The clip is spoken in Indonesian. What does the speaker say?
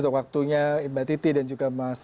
untuk waktunya mbak titi dan juga mas